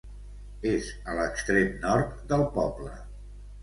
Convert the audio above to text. És a l'extrem nord del poble.